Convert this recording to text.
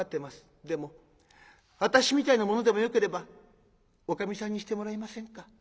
でも私みたいな者でもよければおかみさんにしてもらえませんか？